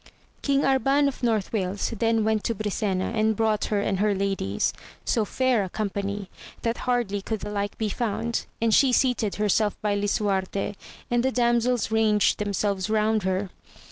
King Arban of North Wales then went to Brisena, and brought her and her ladies, so fair a company, that hardly could the like be found, and she seated herself by Lisuarte, and the damsels ranged themselves around her.